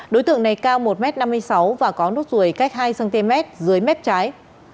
đối tượng này cao một m năm mươi sáu và có nốt ruồi cách hai cm dưới mép trái